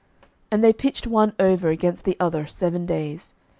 11:020:029 And they pitched one over against the other seven days.